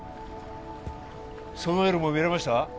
その夜も見れました？